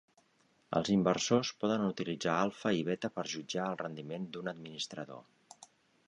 Els inversors poden utilitzar alfa i beta per jutjar el rendiment d'un administrador.